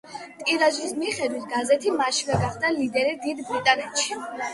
ტირაჟის მიხედვით გაზეთი მაშინვე გახდა ლიდერი დიდ ბრიტანეთში.